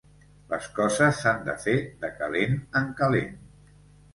Les coses s'han de fer de calent en calent!